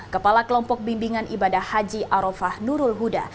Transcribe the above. kepala kelompok bimbingan ibadah haji arofah nurul huda